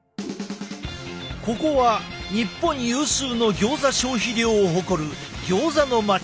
ここは日本有数のギョーザ消費量を誇るギョーザの街